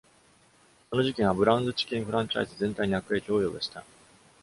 その事件は『ブラウンズ・チキン』フランチャイズ全体に悪影響を及ぼした。